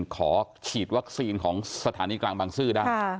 ขอฉีดวัคซีนของสถานีกลางบางซื่อได้